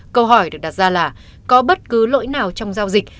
câu hỏi được đặt ra là có bất cứ lỗi nào trong giao dịch